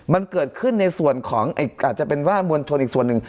มันเกิดขึ้นในส่วนของอาจจะเป็นว่ามวลชนอีกส่วนหนึ่ง